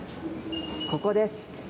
ここです。